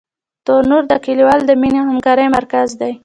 تنور د کلیوالو د مینې او همکارۍ مرکز دی